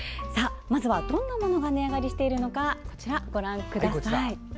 まず、どんなものが値上がりしているかご覧ください。